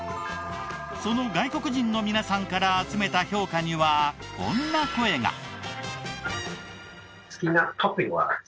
その外国人の皆さんから集めた評価にはこんな声が。